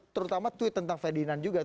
terutama tweet tentang ferdinand juga